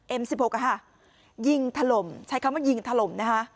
เอ็มสิบหกฮะยิงถล่มใช้คำว่ายิงถล่มนะคะ